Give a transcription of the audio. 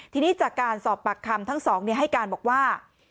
ทีนี้จากการสอบปากคำทั้งสองให้การบอกว่า